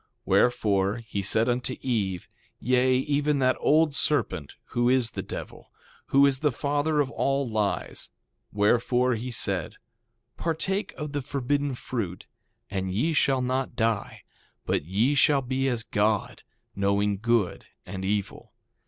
Wherefore, he said unto Eve, yea, even that old serpent, who is the devil, who is the father of all lies, wherefore he said: Partake of the forbidden fruit, and ye shall not die, but ye shall be as God, knowing good and evil.